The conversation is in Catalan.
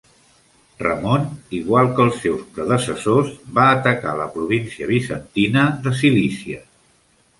Ramon, igual que els seus predecessors, va atacar la província bizantina de Cilícia.